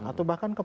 atau bahkan ke pks